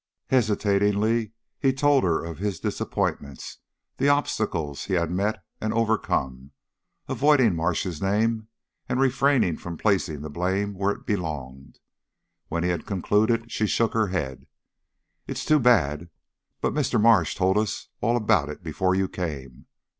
Hesitatingly he told her of his disappointments, the obstacles he had met and overcome, avoiding Marsh's name, and refraining from placing the blame where it belonged. When he had concluded, she shook her head. "It is too bad. But Mr. Marsh told us all about it before you came.